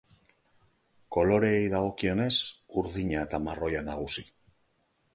Koloreei dagokienez, urdina eta marroia nagusi.